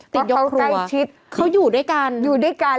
ที่เขาใกล้ชิดเขาอยู่ด้วยกันอยู่ด้วยกัน